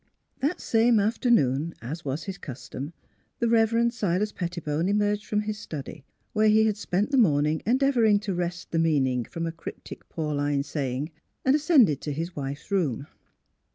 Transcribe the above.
That same afternoon, as was his custom, the Reverend Silas Pettibone emerged from his study, where he had spent the morning endeavoring to wrest the meaning from a cryptic Pauline say ing, and ascended to his wife's room.